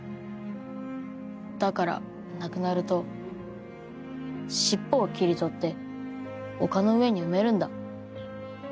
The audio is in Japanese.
だから亡くなるとシッポを切り取って丘の上に埋めるんだ。